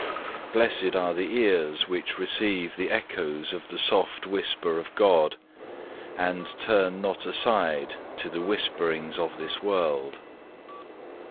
Blessed are the ears which receive the echoes of the soft whisper of God, and turn not aside to the whisperings of this world.